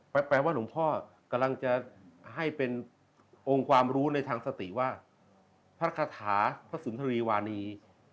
แปลว่าหลวงพ่อกำลังจะให้เป็นองค์ความรู้ในทางสติว่าพระคาถาพระสุนทรีวานี